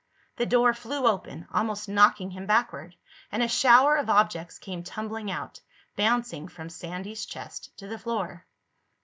The door flew open, almost knocking him backward, and a shower of objects came tumbling out, bouncing from Sandy's chest to the floor.